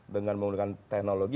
dengan menggunakan teknologi